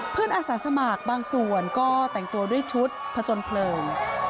เพื่อนอาสาสมัครบางส่วนก็แต่งตัวด้วยชุดพจนเผลิม